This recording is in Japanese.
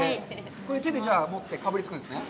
これ手で持ってかぶりつくんですね？